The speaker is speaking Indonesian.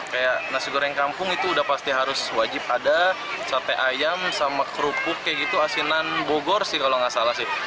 kayak nasi goreng kampung itu udah pasti harus wajib ada sate ayam sama kerupuk kayak gitu asinan bogor sih kalau nggak salah sih